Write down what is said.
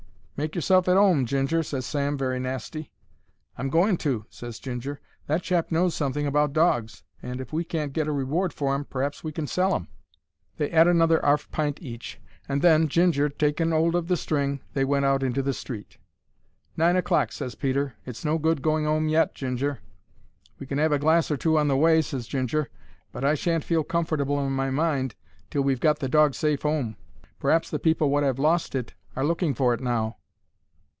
"Make yourself at 'ome, Ginger," ses Sam, very nasty. "I'm going to," ses Ginger. "That chap knows something about dogs, and, if we can't get a reward for 'im, p'r'aps we can sell 'im." They 'ad another arf pint each, and then, Ginger taking 'old of the string, they went out into the street. "Nine o'clock," ses Peter. "It's no good going 'ome yet, Ginger." "We can 'ave a glass or two on the way," ses Ginger; "but I sha'n't feel comfortable in my mind till we've got the dog safe 'ome. P'r'aps the people wot 'ave lost it are looking for it now."